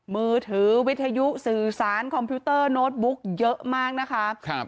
มือถือวิทยุสื่อสารคอมพิวเตอร์โน้ตบุ๊กเยอะมากนะคะ